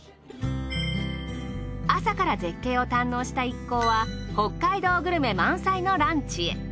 朝から絶景を堪能した一行は北海道グルメ満載のランチへ。